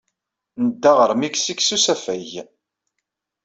Nedda ɣer Miksik s usafag.